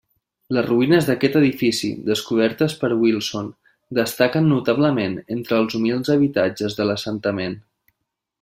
Les ruïnes d'aquest edifici, descobertes per Wilson, destaquen notablement entre els humils habitatges de l'assentament.